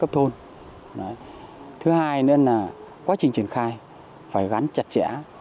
thứ hai nữa là quá trình triển khai phải gắn chặt chẽ